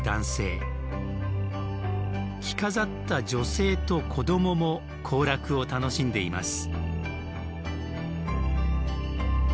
着飾った女性と子どもも行楽を楽しんでいます。